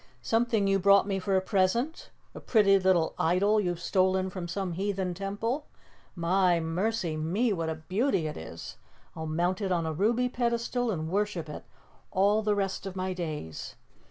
"Something you brought me for a present? A pretty little idol you've stolen from some heathen temple? My, mercy me! What a beauty it is! I'll mount it on a ruby pedestal and worship it all the rest of my days!"